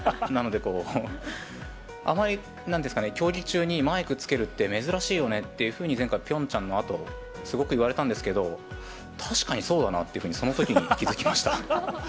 なので、あまり、なんですかね、競技中にマイクつけるって珍しいよねっていうふうに、前回ピョンチャンのあと、すごく言われたんですけど、確かにそうだなっていうふうに、そのときも気付きました。